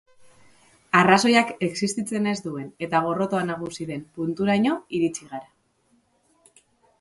Arrazoiak existitzen ez duen eta gorrotoa nagusi den punturaino iritsi gara.